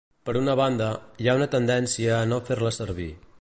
Per una banda, hi ha una tendència a no fer-la servir.